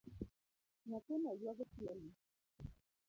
Nyathino yuago chiemo